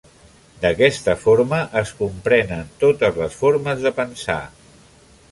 D’aquesta forma es comprenen totes les formes de pensar.